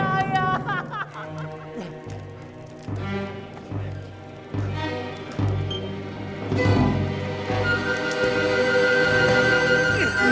kasih tambang kilometres